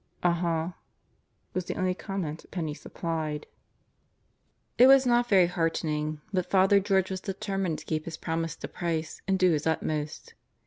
"Uh huh," was the only comment Penney supplied. It was not very heartening, but Father George was determined to keep his promise to Price and do his utmost.